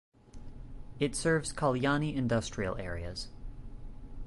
It serves Kalyani industrial areas.